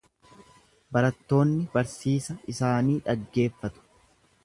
Barattoonni barsiisa isaanii dhaggeeffatu.